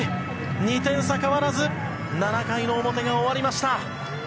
２点差、変わらず７回の表が終わりました。